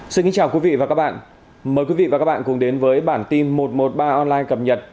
xin kính chào quý vị và các bạn mời quý vị và các bạn cùng đến với bản tin một trăm một mươi ba online cập nhật